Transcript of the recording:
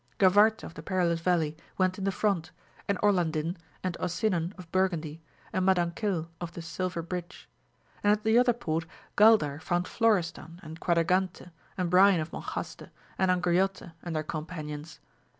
Gavarte of the Perilous Valley went in the front, and Orlandin, and Osirian of Burgundy, and Madancil of the Silver Bridge. And at the other port Gaidar found Florestan and Quadragante and Brian of Monjaste and Angriote and their companions.